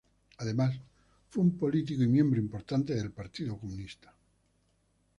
Además fue un político y miembro importante del Partido Comunista.